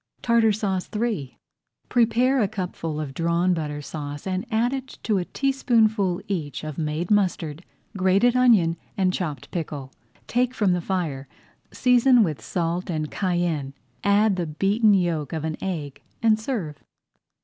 [Page 38] TARTAR SAUCE III Prepare a cupful of Drawn Butter Sauce and add to it a teaspoonful each of made mustard, grated onion, and chopped pickle. Take from the fire, season with salt and cayenne, add the beaten yolk of an egg, and serve.